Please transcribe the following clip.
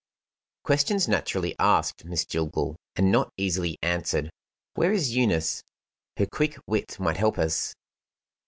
"Questions naturally asked, Miss Jillgall and not easily answered. Where is Eunice? Her quick wit might help us."